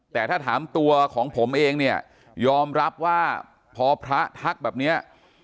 แต่ถ้าถามตัวของผมเองเนี่ยยอมรับว่าพอพระทักแบบนี้